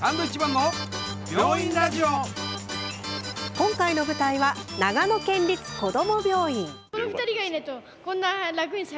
今回の舞台は長野県立こども病院。